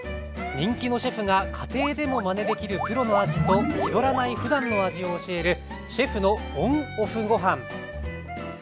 人気のシェフが家庭でもまねできるプロの味と気取らないふだんの味を教える「シェフのＯＮ＆ＯＦＦごはん」。